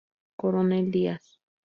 Coronel Díaz.